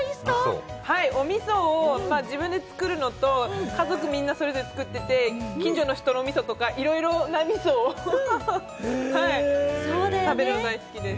おみそを自分で作るのと、家族みんなそれぞれ作ってて、近所の人のみそとか、いろいろな、みそを食べるの大好きです。